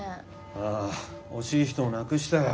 ああ惜しい人を亡くしたよ。